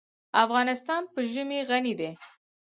افغانستان په ژمی غني دی.